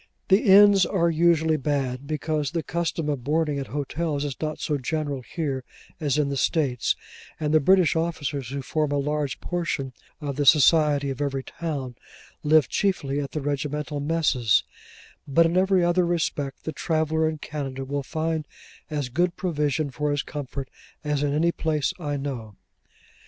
The inns are usually bad; because the custom of boarding at hotels is not so general here as in the States, and the British officers, who form a large portion of the society of every town, live chiefly at the regimental messes: but in every other respect, the traveller in Canada will find as good provision for his comfort as in any place I know.